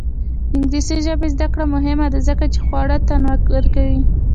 د انګلیسي ژبې زده کړه مهمه ده ځکه چې خواړه تنوع ورکوي.